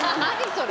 それ。